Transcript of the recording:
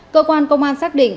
cơ quan công an xác định